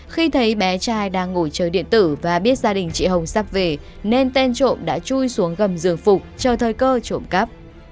khi thấy bé trai đang ngồi chơi điện tử và biết gia đình chị hồng sắp về nên tên trộm đã chui xuống gầm giường phục chờ thời cơ trộm cắp